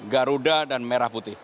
garuda dan merah putih